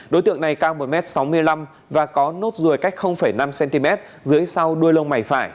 đối tượng này cao một m sáu mươi năm và có nốt ruồi cách năm cm dưới sau đuôi lông mày phải